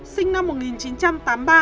sinh năm một nghìn chín trăm tám mươi ba